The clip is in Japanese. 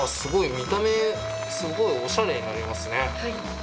見た目すごいオシャレになりますね。